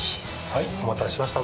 はい、お待たせしました。